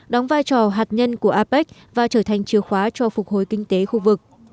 đóng vai trò hạt nhân của apec và trở thành chìa khóa cho phục hồi kinh tế khu vực